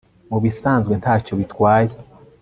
Mubisanzwe ntacyo bitwaye